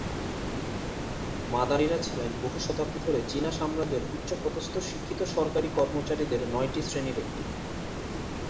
মাঁদারিঁ-রা ছিলেন বহু শতাব্দী ধরে চীনা সাম্রাজ্যের উচ্চপদস্থ শিক্ষিত সরকারী কর্মচারীদের নয়টি শ্রেণীর একটি।